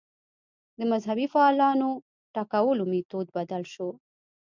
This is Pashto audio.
د مذهبي فعالانو ټکولو میتود بدل شو